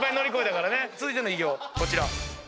続いての偉業こちら。